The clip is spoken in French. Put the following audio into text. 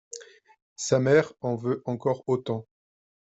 Sa mère en veut encore autant.